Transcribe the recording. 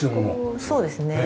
そうですね。